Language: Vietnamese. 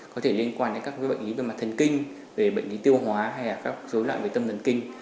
có thể liên quan đến các bệnh lý về mặt thần kinh về bệnh lý tiêu hóa hay là các dối loạn về tâm thần kinh